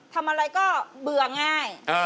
ทำอะไรก็เบื่อง่าย